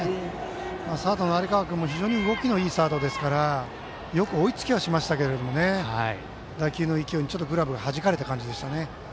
サードの有川君も非常に動きのいい選手ですからよく追いつきはしましたけども打球の勢いに、ちょっとグラブがはじかれた感じでしたね。